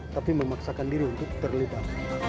tapi memaksakan diri untuk terlibat